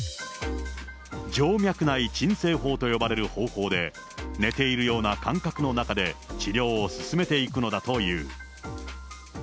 静脈内鎮静法という方法で、寝ているような感覚の中で治療を進めていくのだという。